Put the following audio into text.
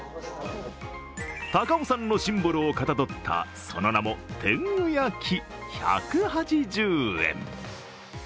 高尾山のシンボルをかたどった、その名も天狗焼１８０円。